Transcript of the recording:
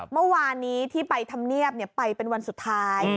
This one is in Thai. เมื่อวานนี้ที่ไปทำเนียบไปเป็นวันสุดท้าย